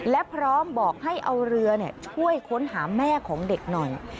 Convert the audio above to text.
และพร้อมบอกให้เอาเรือช่วยค้นหาแม่ของเด็กหน่อย